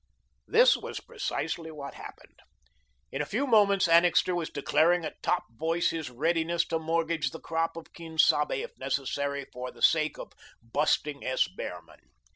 This was precisely what happened. In a few moments Annixter was declaring at top voice his readiness to mortgage the crop of Quien Sabe, if necessary, for the sake of "busting S. Behrman."